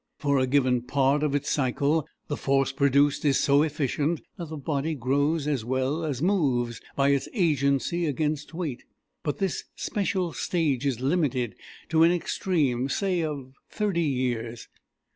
For a given part of its cycle the force produced is so efficient, that the body grows as well as moves by its agency against weight; but this special stage is limited to an extreme, say, of thirty years.